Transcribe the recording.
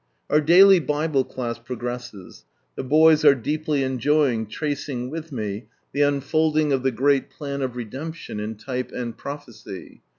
Our daily Bible class progresses. The boys are deeply enjoying tracing with me the unfolding of the great plan of Redemption in type and prophecy.